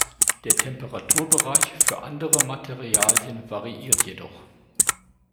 Der Temperaturbereich für andere Materialien variiert jedoch.